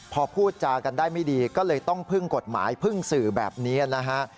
พอพูดจากันได้ไม่ดีก็เลยต้องพึ่งกฎหมายพึ่งสื่อแบบนี้นะฮะ